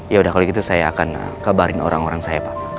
ya udah kalau gitu saya akan kabarin orang orang saya pak